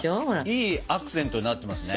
いいアクセントになってますね。